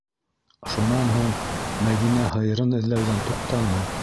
Шунан һуң Мәҙинә һыйырын эҙләүҙән туҡтаны.